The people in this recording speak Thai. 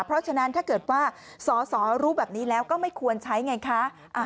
เพราะฉะนั้นถ้าเกิดว่าสอสอรู้แบบนี้แล้วก็ไม่ควรใช้ไงคะ